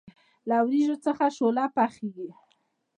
له وریجو څخه شوله پخیږي.